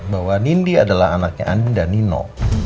bahwa nindi adalah anaknya aninda nino